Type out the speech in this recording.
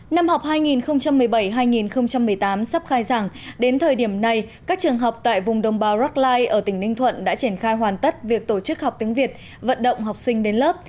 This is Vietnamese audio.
năm học hai nghìn một mươi bảy hai nghìn một mươi tám sắp khai giảng đến thời điểm này các trường học tại vùng đồng bào rackline ở tỉnh ninh thuận đã triển khai hoàn tất việc tổ chức học tiếng việt vận động học sinh đến lớp